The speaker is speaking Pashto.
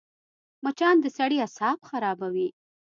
مچان د سړي اعصاب خرابوي